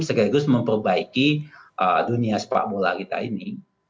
segera gera memperbaiki dunia sepak bola kita ini